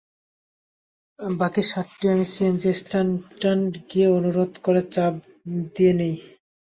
বাকি সাতটি আমি সিএনজি স্ট্যান্ডে গিয়ে অনুরোধ করে চাপ দিয়ে নিই।